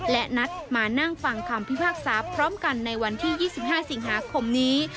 และนัดมานั่งฟังคำพิพากษาพร้อมกันในวันที่๒๕สิงหาคมนี้